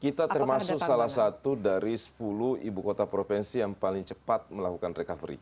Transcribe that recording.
kita termasuk salah satu dari sepuluh ibu kota provinsi yang paling cepat melakukan recovery